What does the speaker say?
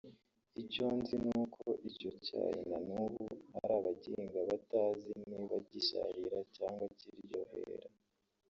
icyo nzi nuko icyo cyayi nanubu hari abagihinga batazi niba gisharira cyangwa kiryohera